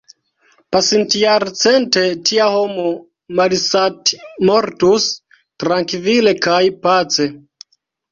Pasintjarcente tia homo malsatmortus, trankvile kaj pace.